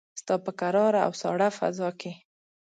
ستا په کراره او ساړه فضاکې